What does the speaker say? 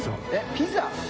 ピザ？